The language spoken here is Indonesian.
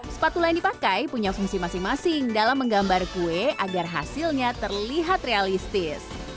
sepatu yang dipakai punya fungsi masing masing dalam menggambar kue agar hasilnya terlihat realistis